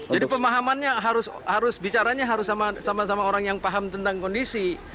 jadi pemahamannya harus harus bicaranya harus sama sama orang yang paham tentang kondisi